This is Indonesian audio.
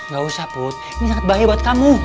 gak usah put ini sangat bahaya buat kamu